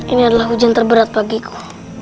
ini adalah hujan terberat bagiku